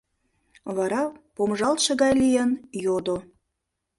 Вара, помыжалтше гай лийын, йодо: